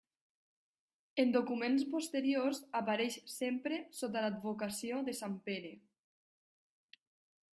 En documents posteriors apareix sempre sota l'advocació de sant Pere.